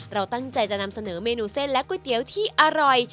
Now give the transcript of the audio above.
เราตั้งใจจะนำเสนอเมนูเส้นและก๋วยเตี๋ยวที่อร่อย